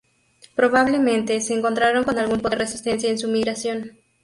Probablemente se encontraran con algún tipo de resistencia en su migración.